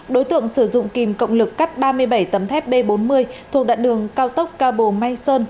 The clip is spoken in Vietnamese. đối tượng sử dụng kìm cộng lực cắt ba mươi bảy tầm thép b bốn mươi thuộc đạn đường cao tốc cao bồ mai sơn